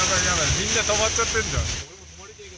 みんな止まっちゃってんじゃん。